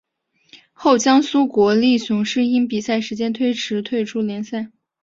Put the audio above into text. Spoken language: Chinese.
后江苏国立雄狮因比赛时间推迟退出联赛。